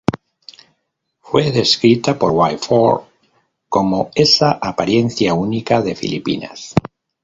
Fue descrita por Bill Ford como, "esa apariencia única de Filipinas".